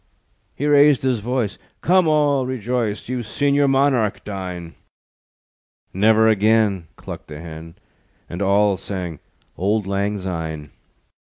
He raised his voice: "Come, all rejoice, You've seen your monarch dine." "Never again," Clucked the Hen, And all sang Old Lang Syne.